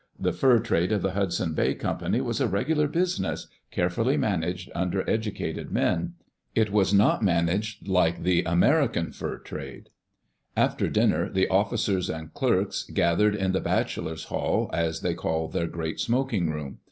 The fur trade of the Hudson's Bay Company was a regular busi ness, carefully managed under educated men. It was not managed like die American fur trade. After dinner the officers and clerks gathered in the Bachelors* Hall, as they called their great smoking room.